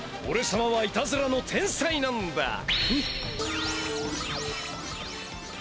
俺様はいたずらの天才なんだ！